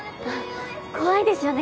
怖いですよね